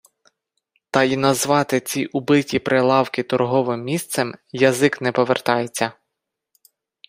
Та й назвати ці убиті прилавки «торговим місцем» язик не повертається.